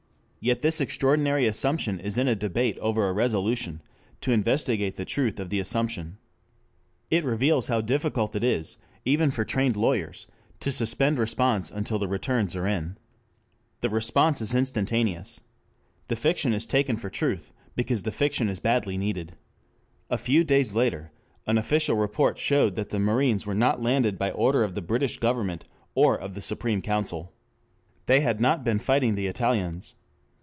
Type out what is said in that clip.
Yet this extraordinary assumption is in a debate over a resolution to investigate the truth of the assumption. It reveals how difficult it is, even for trained lawyers, to suspend response until the returns are in. The response is instantaneous. The fiction is taken for truth because the fiction is badly needed. A few days later an official report showed that the marines were not landed by order of the British Government or of the Supreme Council. They had not been fighting the Italians.